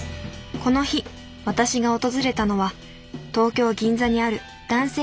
この日私が訪れたのは東京・銀座にある男性